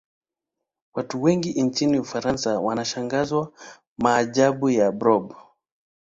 Watu wengi nchini ufaransa wanashangazwa maajabu ya blob